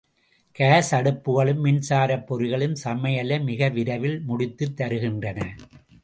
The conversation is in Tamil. காஸ் அடுப்புகளும் மின்சாரப் பொறிகளும் சமையலை மிக விரைவில் முடித்துத் தருகின்றன.